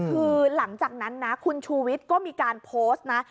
คือหลังจากนั้นนะคุณชูวิทย์ก็มีการโพสต์นะ